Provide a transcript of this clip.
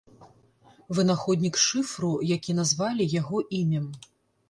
Вынаходнік шыфру, які назвалі яго імем.